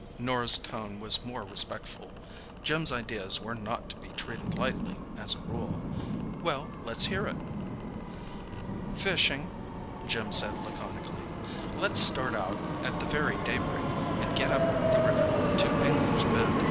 Norah's tone was more respectful. Jim's ideas were not to be treated lightly as a rule. "Well, let's hear it." "Fishing," Jim said laconically. "Let's start out at the very daybreak, and get up the river to Anglers' Bend.